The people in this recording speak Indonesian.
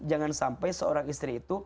jangan sampai seorang istri itu